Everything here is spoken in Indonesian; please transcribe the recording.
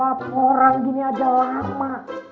laporan gini aja lama